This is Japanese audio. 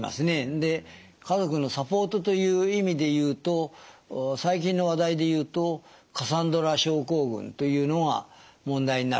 で家族のサポートという意味で言うと最近の話題で言うとカサンドラ症候群というのが問題になると思います。